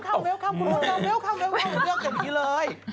เปรี้ยงไปวิ่งช่วยอยู่ทีเลย